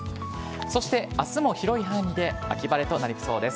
そしてあすも広い範囲で秋晴れとなりそうです。